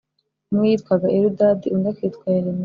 Umwe yitwaga Eludadi undi akitwa Yeremiya